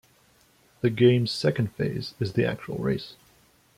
The game's second phase is the actual race.